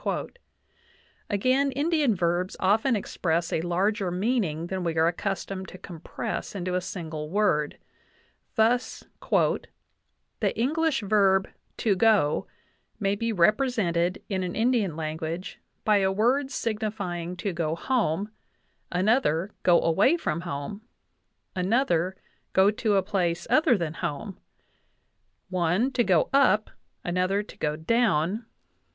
Again, Indian verbs often express a larger meaning than we are accustomed to compress into a single word; thus "the English verb to go may be represented [in an Indian language] by a word signifying to go home; another, go away from home; another, go to a place other than home ;... one, to go up ; another, to go down